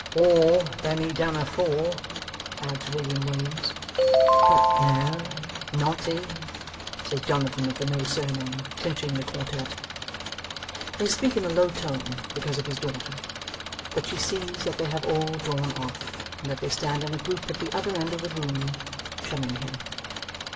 'Or than he done afore,' adds William Williams. 'But no, not he!' says Jonathan of the no surname, clinching the quartette. They speak in a low tone because of his daughter, but she sees that they have all drawn off, and that they stand in a group at the other end of the room, shunning him.